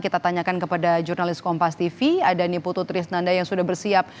kita tanyakan kepada jurnalis kompas tv ada niputu trisnanda yang sudah bersiap